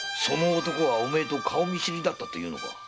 その男はおめえと顔見知りだったっていうのか？